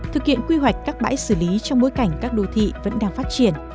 thực hiện quy hoạch các bãi xử lý trong bối cảnh các đô thị vẫn đang phát triển